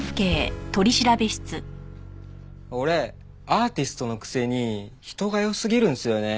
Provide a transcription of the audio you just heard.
俺アーティストのくせに人が良すぎるんすよね。